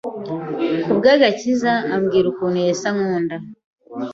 ku by’agakiza ambwira ukuntu Yesu ankunda